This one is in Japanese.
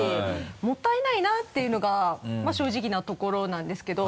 もったいないなっていうのがまぁ正直なところなんですけど。